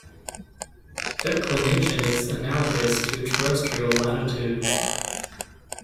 Declination is analogous to terrestrial latitude.